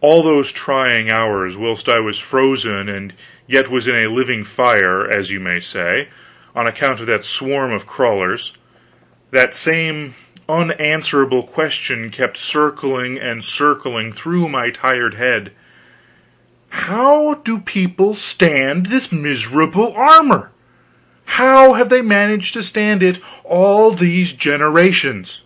All those trying hours whilst I was frozen and yet was in a living fire, as you may say, on account of that swarm of crawlers, that same unanswerable question kept circling and circling through my tired head: How do people stand this miserable armor? How have they managed to stand it all these generations?